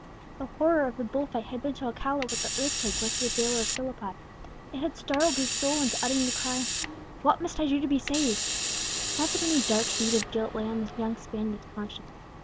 The horror of the bull fight had been to Alcala what the earthquake was to the jailer of Philippi; it had startled his soul into uttering the cry, "What must I do to be saved?" Not that any dark deed of guilt lay on the young Spaniard's conscience.